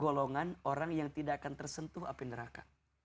golongan orang yang tidak akan tersentuh api neraka